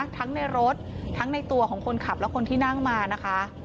ทั้งในรถทั้งในตัวของคนขับและคนที่นั่งมานะคะ